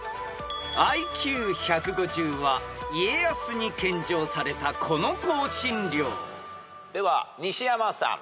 ［ＩＱ１５０は家康に献上されたこの香辛料］では西山さん。